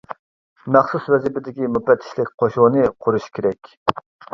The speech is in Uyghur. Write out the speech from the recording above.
مەخسۇس ۋەزىپىدىكى مۇپەتتىشلىك قوشۇنى قۇرۇش كېرەك.